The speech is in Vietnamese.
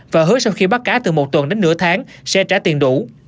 và hứa sau khi bắt cá từ một tuần đến nửa tháng sẽ trả tiền đủ